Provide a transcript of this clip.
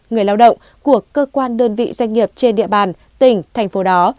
người lao động của cơ quan đơn vị doanh nghiệp trên địa bàn tỉnh thành phố đó